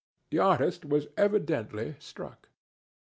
The artist was evidently struck.